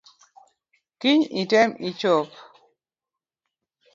Kiny item ichop.